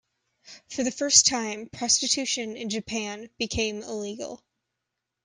For the first time, prostitution in Japan became illegal.